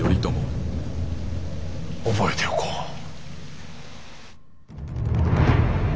覚えておこう。